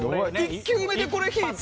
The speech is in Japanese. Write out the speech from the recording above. １球目でこれ引いて。